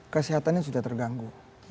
kesehatannya sudah terganggu